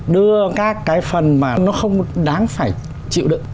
đưa các cái phần mà nó không đáng phải chịu đựng